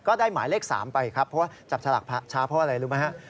หมายเลข๓ไปครับเพราะว่าจับฉลากช้าเพราะอะไรรู้ไหมฮะ